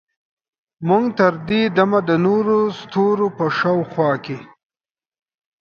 موږ تر دې دمه د نورو ستورو په شاوخوا کې